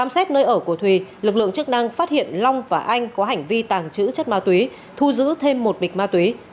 xét nơi ở của thùy lực lượng chức năng phát hiện long và anh có hành vi tàng trữ chất ma túy thu giữ thêm một bịch ma túy